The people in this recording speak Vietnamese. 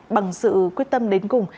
bằng sự quyết tâm đến cùng